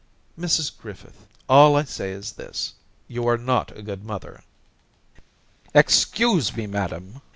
Daisy 259 * Mrs Griffith, all I say is this — you are not a good mother.* ' Excuse me, madam.